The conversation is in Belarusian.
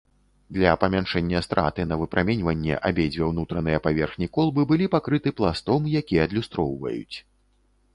Для памяншэння страты на выпраменьванне абедзве ўнутраныя паверхні колбы былі пакрыты пластом, які адлюстроўваюць.